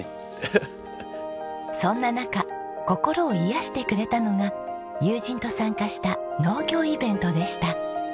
そんな中心を癒やしてくれたのが友人と参加した農業イベントでした。